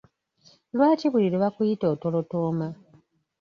Lwaki buli lwe bakuyita otolotooma?